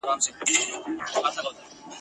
دغو ورېځو هم کتلو !.